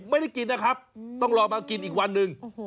ไม่ได้กินนะครับต้องรอมากินอีกวันหนึ่ง